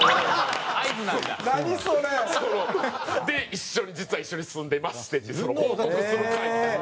一緒に実は一緒に住んでますって言って報告する会みたいな。